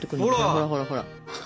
ほらほらほら。